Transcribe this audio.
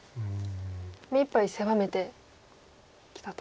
目いっぱい狭めてきたと。